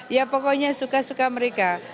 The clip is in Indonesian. ya pokoknya suka suka mereka